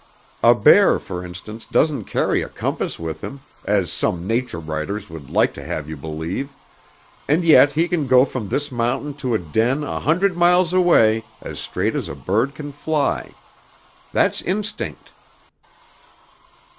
A bear, for instance, doesn't carry a compass with him, as some nature writers would like to have you believe, and yet he can go from this mountain to a den a hundred miles away as straight as a bird can fly. That's instinct."